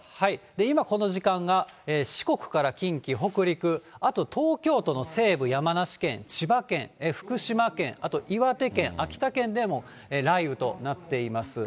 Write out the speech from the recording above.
今、この時間が四国から近畿、北陸、あと、東京都の西部、山梨県、千葉県、福島県、あと岩手県、秋田県でも、雷雨となっています。